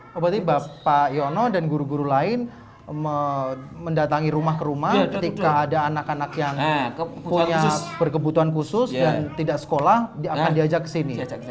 berarti bapak yono dan guru guru lain mendatangi rumah ke rumah ketika ada anak anak yang punya berkebutuhan khusus dan tidak sekolah akan diajak ke sini